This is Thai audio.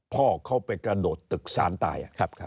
พ่อเขาไปกระโดดตึกสารตาย